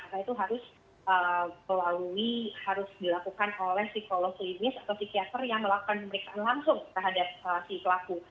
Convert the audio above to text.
karena itu harus dilakukan oleh psikologi mis atau psikiater yang melakukan pemeriksaan langsung terhadap si pelaku